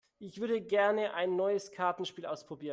Ich würde gerne ein neues Kartenspiel ausprobieren.